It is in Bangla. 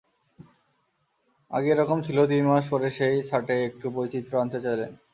আগে একরকম ছিল, তিন মাস পরে সেই ছাঁটে একটু বৈচিত্র্য আনতে চাইলেন।